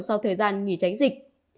sau thời gian nghỉ tránh dịch